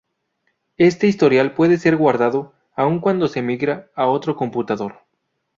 Este historial puede ser guardado aún cuando se migra a otro computador.